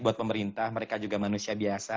buat pemerintah mereka juga manusia biasa